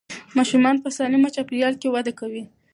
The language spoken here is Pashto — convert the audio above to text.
ماشومان په سالمه چاپېریال کې وده کوي.